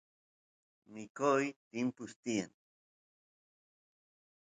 mikuna timpuchkaqllata tiyan